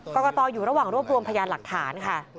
กรกตอยู่ระหว่างรวบรวมพยานหลักฐานค่ะ